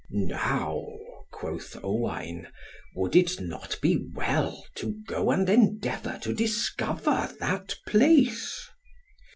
"Now," quoth Owain, "would it not be well to go and endeavour to discover that place?"